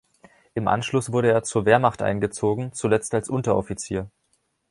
Im Anschluss wurde er zur Wehrmacht eingezogen, zuletzt als Unteroffizier.